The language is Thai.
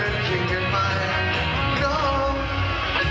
อีกเพลงหนึ่งครับนี้ให้สนสารเฉพาะเลย